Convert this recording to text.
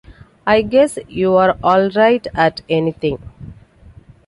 I guess you’re all right at anything.